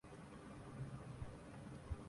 ہم میں وہ خصوصیات کیسے پیداہونگی؟